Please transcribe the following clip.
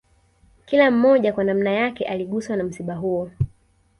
Kila mmoja kwa nanma yake aliguswa na msiba huo